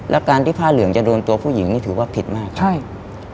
แล้วการที่ผ้าเหลืองจะโดนตัวผู้หญิงนี่ถือว่าผิดมากครับใช่